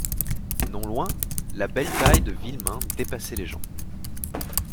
Non loin, la belle taille de Villemain dépassait les gens.